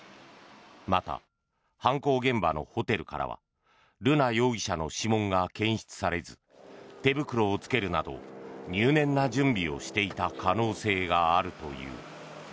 また、犯行現場のホテルからは瑠奈容疑者の指紋が検出されず手袋を着けるなど入念な準備をしていた可能性があるという。